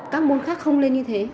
các môn khác không lên như thế